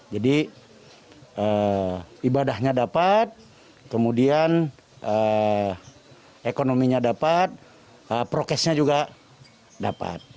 jadi ibadahnya dapat kemudian ekonominya dapat prosesnya juga dapat